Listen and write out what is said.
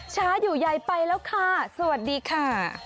ช้าอยู่ใยไปแล้วค่ะสวัสดีค่ะ